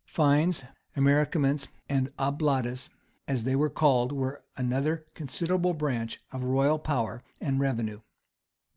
Fines, amerciaments, and oblatas, as they were called, were another considerable branch of the royal power and revenue.